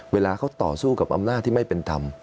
เวลาเขาต่อสู้กับอำนาจที่ไม่เป็นธรรม